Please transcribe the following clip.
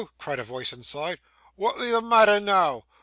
cried a voice inside. 'Wa'et be the matther noo?